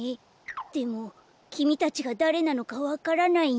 でもきみたちがだれなのかわからないんだ。